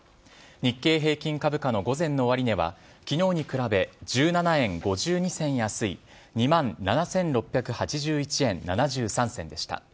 日経平均株価の午前の終値はきのうに比べ１７円５２銭安い２万７６８１円７３銭でした。